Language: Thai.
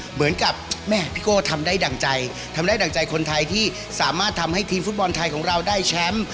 เหมือนกับแม่พี่โก้ทำได้ดั่งใจทำได้ดั่งใจคนไทยที่สามารถทำให้ทีมฟุตบอลไทยของเราได้แชมป์